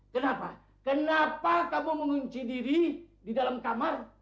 kenapa kenapa kamu mengunci diri di dalam kamar